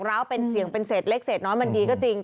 ร้าวเป็นเสี่ยงเป็นเศษเล็กเศษน้อยมันดีก็จริง